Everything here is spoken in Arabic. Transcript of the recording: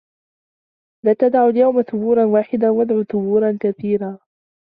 لا تَدعُوا اليَومَ ثُبورًا واحِدًا وَادعوا ثُبورًا كَثيرًا